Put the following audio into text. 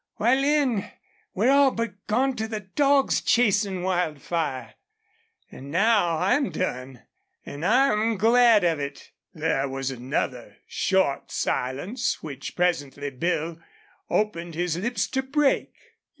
Why, Lin, we're all but gone to the dogs chasin' Wildfire. An' now I'm done, an' I'm glad of it." There was another short silence, which presently Bill opened his lips to break.